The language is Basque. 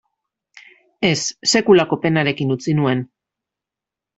Ez, sekulako penarekin utzi nuen.